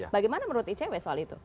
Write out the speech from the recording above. bagaimana menurut icw soal itu